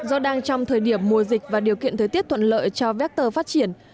do đang trong thời điểm mùa dịch và điều kiện thời tiết thuận lợi cho vector phát triển